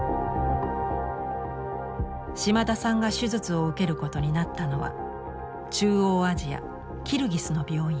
島田さんが手術を受けることになったのは中央アジアキルギスの病院。